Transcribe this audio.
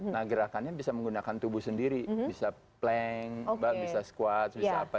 nah gerakannya bisa menggunakan tubuh sendiri bisa plank bisa squat bisa apa